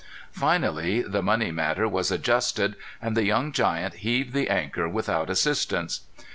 Finally the money matter was adjusted, and the young giant heaved the anchor without assistance.